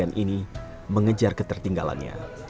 dan kemudian mengajar ketertinggalannya